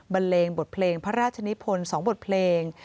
เลงบทเพลงพระราชนิพล๒บทเพลง